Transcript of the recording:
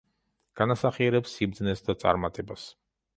განასახიერებს სიბრძნეს და წარმატებას.